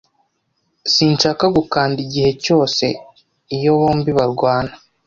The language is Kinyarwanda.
Sinshaka gukanda igihe cyose iyo bombi barwana.